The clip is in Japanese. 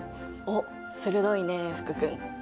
おっ鋭いね福君。